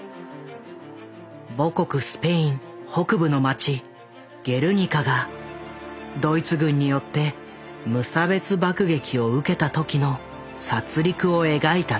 母国スペイン北部の街ゲルニカがドイツ軍によって無差別爆撃を受けた時の殺りくを描いた大作だ。